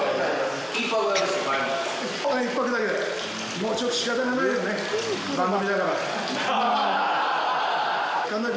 もう、ちょっと仕方がないよね、番組だから。